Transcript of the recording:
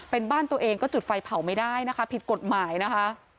เป็นบ้านตัวเองก็จุดไฟเผาไม่ได้นะคะผิดกฎหมายนะคะ